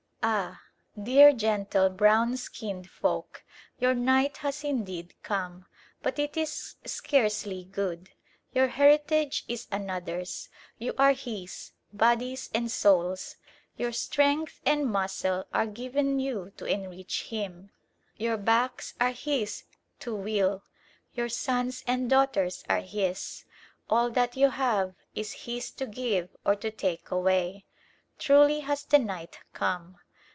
Ah! dear gentle brown skinned folk, your night has indeed come; but it is scarcely good. Your heritage is another's. You are his bodies and souls! Your strength and muscle are given you to enrich him: your backs are his to wheal: your sons and daughters are his: all that you have is his to give or to take away. Truly has the night come!